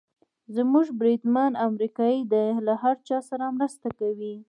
زموږ بریدمن امریکایي دی، له هر چا سره مرسته کوي.